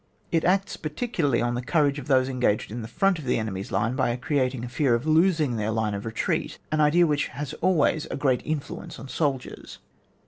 It acts particularly on the courage of those engaged in the front of the enemy's line by creating a fear of losing their line of retreat, an idea which has always a great influence on soldiers.